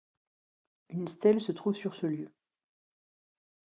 Une stèle se trouve sur ce lieu.